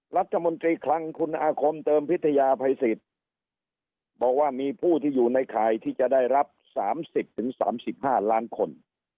รัฐมนตรีคลังคุณอาคมเติมพิทยาภัยสิทธิ์บอกว่ามีผู้ที่อยู่ในข่ายที่จะได้รับ๓๐๓๕ล้านคน